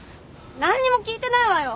何にも聞いてないわよ。